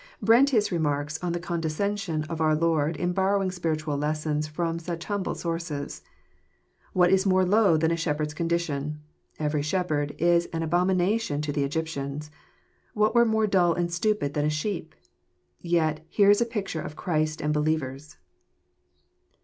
Brentius remarks on the condescension of our Lord In bor rowing spiritual lessons from such humble sources :" What is more low than a shepherd's condition? Every shepherd is an abomination to the Egyptians. What more dull and stupid than a sheep? Tet here is a picture of Christ and believers